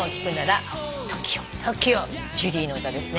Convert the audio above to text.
ジュリーの歌ですね。